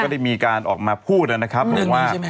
ได้มีการออกมาพูดนะครับบอกว่า